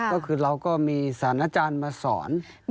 ก็คือเราก็มีสารอาจารย์มาสอน